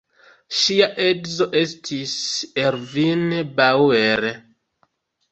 Ŝia edzo estis Ervin Bauer.